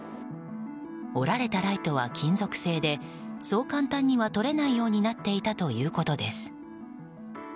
折られたライトは金属製でそう簡単には取れないようになっていたということです。